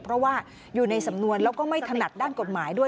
เพราะว่าอยู่ในสำนวนแล้วก็ไม่ถนัดด้านกฎหมายด้วย